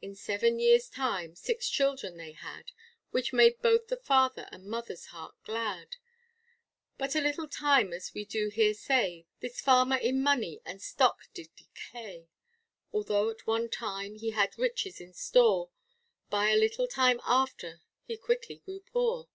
In seven years time six children they had, Which made both the father and mother's heart glad But a little time after as we do hear say, This farmer in money and stock did decay, Although at one time he had riches in store, But a little time after he quickly grew poor.